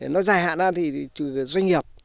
nó dài hạn ra thì doanh nghiệp